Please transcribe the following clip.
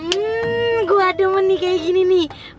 hmm gue ada mending kayak gini nih